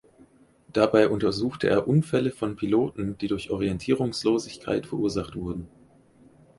Dabei untersuchte er Unfälle von Piloten, die durch Orientierungslosigkeit verursacht wurden.